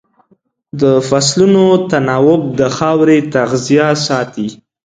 د فصلونو تناوب د خاورې تغذیه ساتي.